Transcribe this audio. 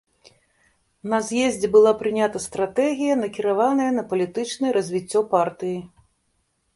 На з'ездзе была прынята стратэгія накіраваная на палітычнае развіццё партыі.